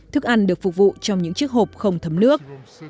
thức ăn được phục vụ trong những chiếc hộp không thấm nước